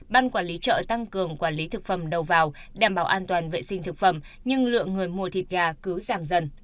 ban quản lý chợ tăng cường quản lý thực phẩm đầu vào đảm bảo an toàn vệ sinh thực phẩm nhưng lượng người mua thịt gà cứ giảm dần